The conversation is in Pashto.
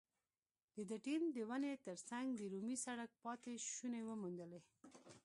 د ده ټیم د ونې تر څنګ د رومي سړک پاتې شونې وموندلې.